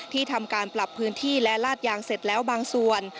ทำการปรับพื้นที่และลาดยางเสร็จแล้วบางส่วน